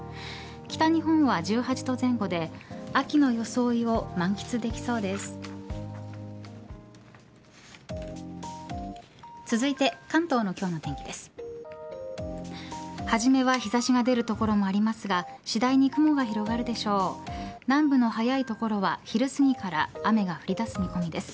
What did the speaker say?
北日本は１８度前後で秋の装いを満喫できそうです。